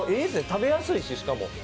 食べやすいししかも。